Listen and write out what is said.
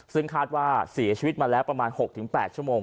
ซึ่งคาดว่าเสียชีวิตมาแล้วประมาณ๖๘ชั่วโมง